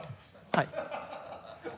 はい。